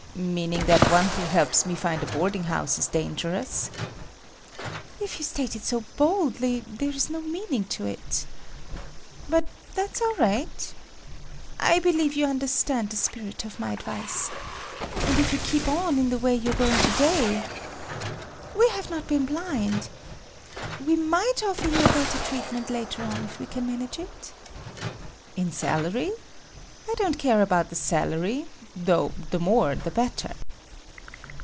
"Meaning that one who helps me find a boarding house is dangerous?" "If you state it so baldly, there is no meaning to it……. But that's all right,…… I believe you understand the spirit of my advice. And if you keep on in the way you're going to day …… We have not been blind …… we might offer you a better treatment later on if we can manage it." "In salary? I don't care about the salary, though the more the better."